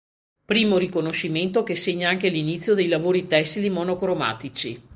Primo riconoscimento che segna anche l'inizio dei lavori tessili monocromatici.